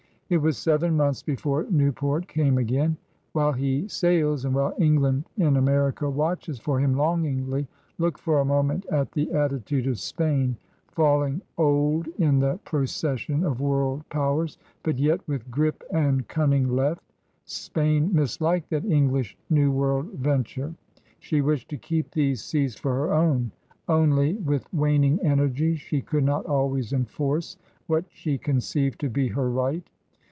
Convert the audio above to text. It was seven months before Newport came again. While he sails, and while England in America watches for him longingly, look for a moment at the attitude of Spain, falling old in the procession of world powers, but yet with grip and cunning 34 PIONEERS OF THE OLD SOUTH left. Spain misliked that English New Worid ven ture. She wished to keep these seas for her own; only, with waning energies, she could not always enforce what she conceived to be her right.